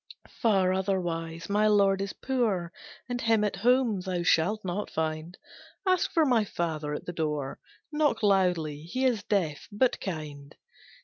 "Far otherwise, my lord is poor, And him at home thou shalt not find; Ask for my father; at the door Knock loudly; he is deaf, but kind.